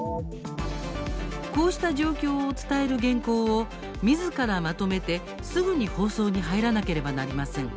こうした状況を伝える原稿をみずからまとめて、すぐに放送に入らなければなりません。